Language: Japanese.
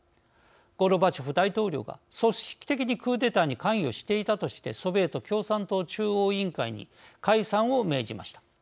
ゴルバチョフ大統領が組織的にクーデターに関与していたとしてソビエト共産党中央委員会に解散を命じました。